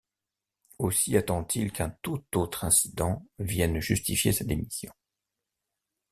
Aussi attendit-il qu'un tout autre incident vienne justifier sa démission.